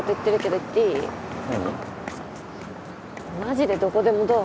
マジで「どこでもドア」